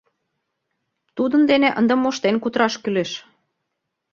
— Тудын дене ынде моштен кутыраш кӱлеш.